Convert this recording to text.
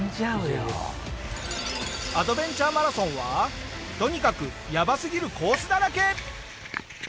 アドベンチャーマラソンはとにかくやばすぎるコースだらけ！